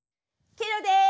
ケロです！